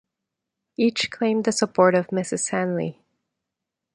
Each claimed the support of Mrs. Hanley.